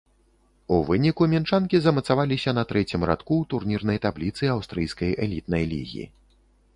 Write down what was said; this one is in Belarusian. У выніку мінчанкі замацаваліся на трэцім радку ў турнірнай табліцы аўстрыйскай элітнай лігі.